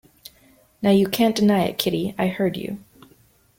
Now you can’t deny it, Kitty: I heard you!